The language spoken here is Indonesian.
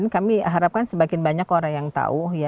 kami harapkan semakin banyak orang yang tahu